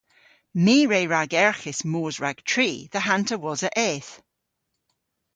My re ragerghis moos rag tri dhe hanter wosa eth.